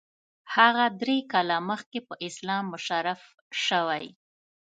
هغه درې کاله مخکې په اسلام مشرف شوی.